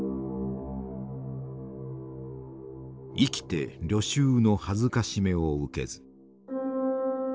「生きて虜囚の辱を受けず」。